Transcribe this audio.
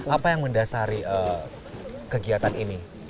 apa yang mendasari kegiatan ini